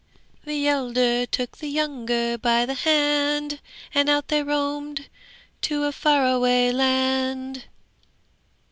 '"The elder took the younger by the hand, And out they roamed to a far off land."